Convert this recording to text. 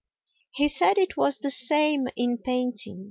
He said it was the same in painting.